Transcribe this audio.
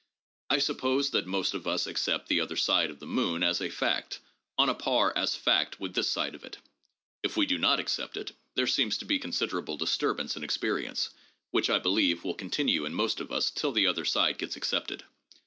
I suppose that most of us accept the other side of the moon as a fact, on a par as fact with this side of it. If we do not accept it, there seems to be considerable disturbance in experience, which, I believe, will continue in most of us till the other side gets accepted.